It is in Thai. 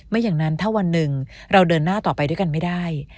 อย่างนั้นถ้าวันหนึ่งเราเดินหน้าต่อไปด้วยกันไม่ได้